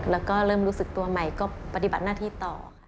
แล้วก็เริ่มรู้สึกตัวใหม่ก็ปฏิบัติหน้าที่ต่อค่ะ